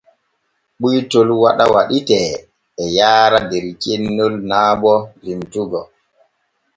Ɓuytol waɗa waɗitee e yaara der cennol naa bo limtugo.